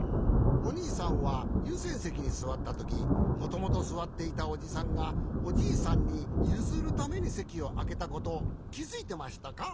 おにいさんはゆうせんせきにすわったときもともとすわっていたおじさんがおじいさんにゆずるためにせきをあけたことをきづいてましたか？